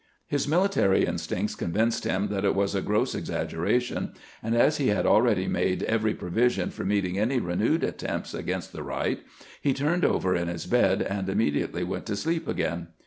His military instincts convinced him that it was a gross exaggeration, and as he had already made every provision for meet ing any renewed attempts against the right, he turned over in his bed, and immediately went to sleep again.